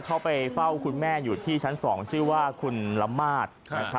เข้าไปเฝ้าคุณแม่อยู่ที่ชั้น๒ชื่อว่าคุณละมาด